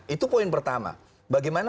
itu poin pertama bagaimana